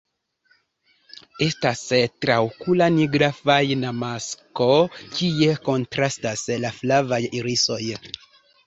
Estas traokula nigra fajna masko kie kontrastas la flavaj irisoj.